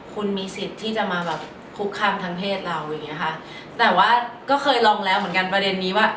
คุณมีสิทธิ์ที่จะมาแบบคุกคามทางเพศเราอย่างเงี้ยค่ะแต่ว่าก็เคยลองแล้วเหมือนกันประเด็นนี้ว่า